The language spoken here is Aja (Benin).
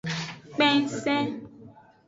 Kpensen.